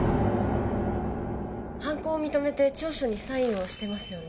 犯行を認めて調書にサインをしてますよね？